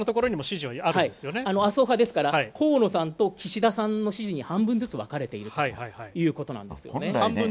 麻生派ですから、河野さんと岸田さんの支持に半分ずつ分かれているということなんですよね。